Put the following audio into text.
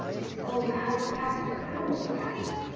It's Oh! how fast the hours passed!